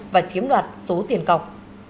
và chiếm đoạt số tiền cọc